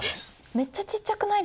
めっちゃちっちゃくないですか？